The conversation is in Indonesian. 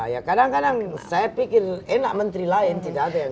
ya kadang kadang saya pikir enak menteri lain tidak